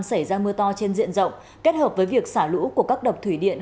xảy ra mưa to trên diện rộng kết hợp với việc xả lũ của các đập thủy điện